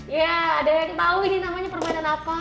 ya ada yang tahu ini namanya permainan apa